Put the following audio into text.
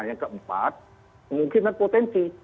yang keempat kemungkinan potensi